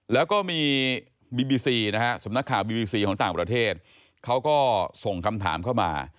แล้วก็มีบีบีซีนะฮะสำนักข่าวบีบีซีของต่างประเทศเขาก็ส่งคำถามเข้ามา